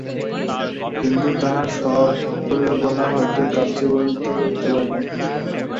হিন্দু তাহার সব পরিকল্পনা হয়তো কার্যে পরিণত করিতে পারে নাই।